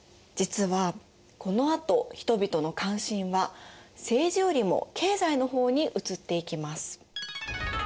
実はこのあと人々の関心は政治よりも経済の方に移っていきます。